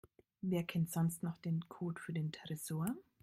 Wer kennt sonst noch den Code für den Tresor?